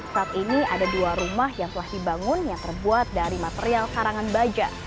saat ini ada dua rumah yang telah dibangun yang terbuat dari material karangan baja